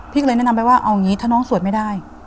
พี่เลยแนะนำไปว่าเอางี้ถ้าน้องสวดไม่ได้